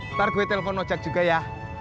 ntar gue telpon ojak juga ya